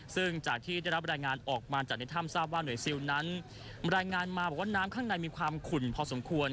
ซึ่งจากที่ได้รับรายงานออกมาจากในถ้ำทราบว่าหน่วยซิลนั้นรายงานมาบอกว่าน้ำข้างในมีความขุ่นพอสมควร